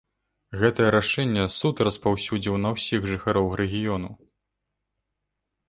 Гэтае рашэнне суд распаўсюдзіў на ўсіх жыхароў рэгіёну.